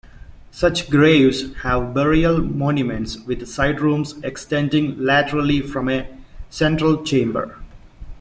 Such graves have burial monuments with side rooms extending laterally from a central chamber.